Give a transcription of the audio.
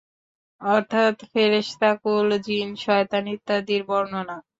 অর্থাৎ ফেরেশতাকুল, জিন, শয়তান ইত্যাদির বর্ণনা।